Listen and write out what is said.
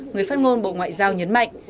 người phát ngôn bộ ngoại giao nhấn mạnh